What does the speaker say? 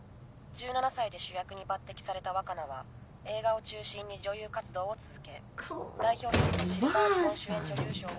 １７歳で主役に抜てきされた若菜は映画を中心に女優活動を続け代表作はシルバーリボン主演女優賞を。